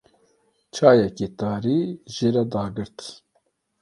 Çayeke tarî jê re dagirt.